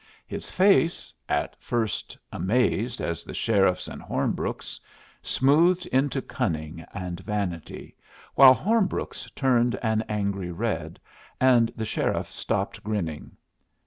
His face, at first amazed as the sheriff's and Hornbrook's, smoothed into cunning and vanity, while Hornbrook's turned an angry red, and the sheriff stopped grinning.